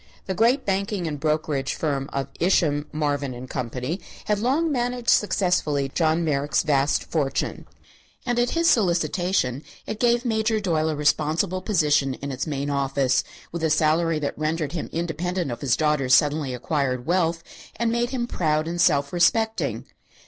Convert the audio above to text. The great banking and brokerage firm of Isham, Marvin & Co. had long managed successfully John Merrick's vast fortune, and at his solicitation it gave Major Doyle a responsible position in its main office, with a salary that rendered him independent of his daughter's suddenly acquired wealth and made him proud and self respecting.